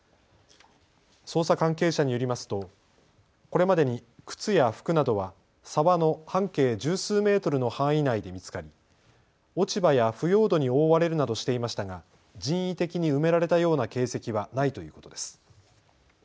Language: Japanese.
捜査関係者によりますとこれまでに靴や服などは沢の半径十数メートルの範囲内で見つかり落ち葉や腐葉土に覆われるなどしていましたが人為的に埋められたような形跡はないということです。